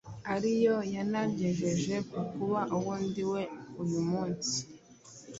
ariyo yanangejeje ku kuba uwo ndiwe uyu munsi.